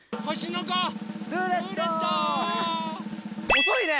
おそいね！